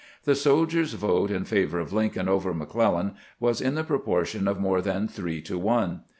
The soldiers' vote in favor of Lincoln over McCleUan was in the proportion of more than three to one.